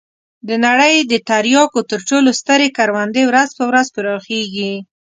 د نړۍ د تریاکو تر ټولو سترې کروندې ورځ په ورځ پراخېږي.